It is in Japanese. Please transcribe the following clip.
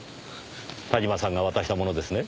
田島さんが渡したものですね？